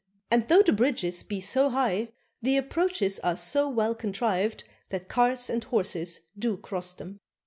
And though the bridges be so high, the approaches are so well contrived that carts and horses do cross them.